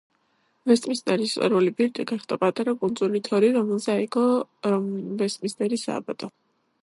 ვესტმინსტერის ისტორიული ბირთვი გახდა პატარა კუნძული თორი, რომელზე აიგო ვესტმინსტერის სააბატო.